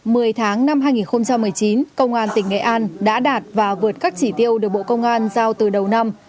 mười tháng năm hai nghìn một mươi chín công an tỉnh nghệ an đã đạt và vượt các chỉ tiêu được bộ công an giao từ đầu năm